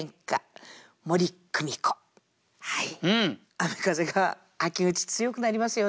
雨風が秋口強くなりますよね。